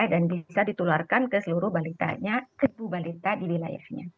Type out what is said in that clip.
dan bisa ditularkan ke seluruh balitanya ke ibu balita di wilayahnya